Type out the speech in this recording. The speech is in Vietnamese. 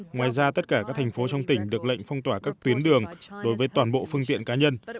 ngoài ra tất cả các thành phố trong tỉnh được lệnh phong tỏa các tuyến đường đối với toàn bộ phương tiện cá nhân